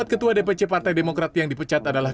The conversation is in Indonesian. empat ketua dpc partai demokrat yang dipecat adalah